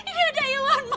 buat iwan baju baru pak